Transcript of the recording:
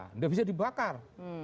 tidak bisa dibakar